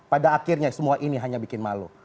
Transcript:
pada akhirnya semua ini hanya bikin malu